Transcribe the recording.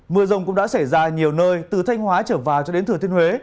mưa rông cũng đã xảy ra nhiều nơi từ thanh hóa trở vào cho đến thừa thiên huế